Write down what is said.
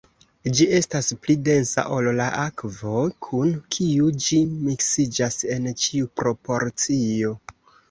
Ĝi estas pli densa ol la akvo, kun kiu ĝi miksiĝas en ĉiu proporcio.